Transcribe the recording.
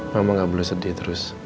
mama gak boleh sedih terus